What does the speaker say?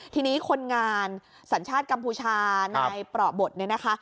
ทีนี้คนงานสัญชาติกัมพูชานายเปราะบทเนี่ยนะคะ